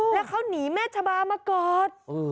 แล้วเขาหนีแม่ชะบามากอด